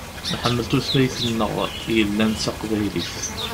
Nḥemmel tutlayt-nneɣ yellan d taqbaylit.